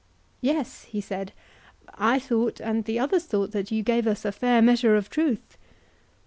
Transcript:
Yes, he said, I thought and the others thought that you gave us a fair measure of truth.